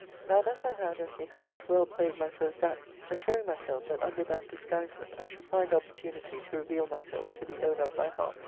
Now thus I had, as methought, well played my first act, assuring myself that under that disguisement I should find opportunity to reveal myself to the owner of my heart.